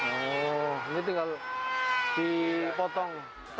oh ini tinggal dipotong